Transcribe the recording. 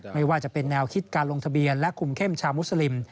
ไม่ว่าจะเป็นแนวคิดการลงทะเบียนและคุมเข้มชาวมุสลิม